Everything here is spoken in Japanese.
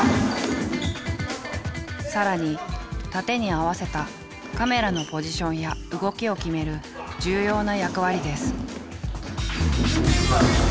更に殺陣に合わせたカメラのポジションや動きを決める重要な役割です。